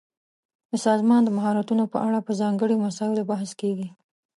د سازمان د مهارتونو په اړه په ځانګړي مسایلو بحث کیږي.